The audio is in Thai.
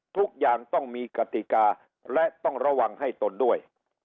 ทุกอย่างต้องมีกติกาและต้องระวังให้ตนด้วย